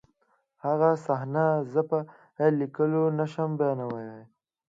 هغه صحنه زه په لیکلو نشم بیانولی